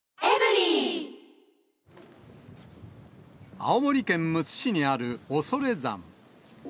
青森県むつ市にある恐山。